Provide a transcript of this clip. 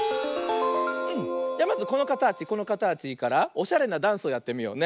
まずこのかたちこのかたちからおしゃれなダンスをやってみようね。